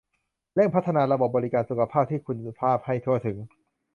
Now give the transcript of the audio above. เร่งพัฒนาระบบบริการสุขภาพที่มีคุณภาพให้ทั่วถึง